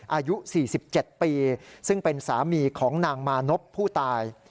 อายุ๔๗ปีซึ่งเป็นสามีของนางมานพผู้ตาย